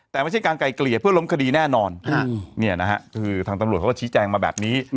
แต่ไม่ใช่การไกลเกลี่ยเพื่อล้มคดีแน่นอนคือทางตำรวจเขาก็ชี้แจงมาแบบนี้